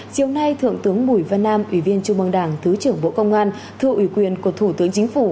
chiều nay thượng tướng bùi văn nam ủy viên trung mương đảng thứ trưởng bộ công an thưa ủy quyền của thủ tướng chính phủ